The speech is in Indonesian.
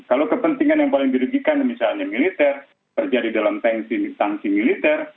kalau kepentingan yang paling dirugikan misalnya militer terjadi dalam sanksi militer